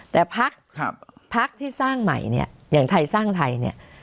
แต่พักพักที่สร้างใหม่เนี่ยอย่างไทยสร้างไทยเนี่ย